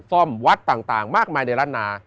ซ่อมวัดต่างมากมายในรัฐนา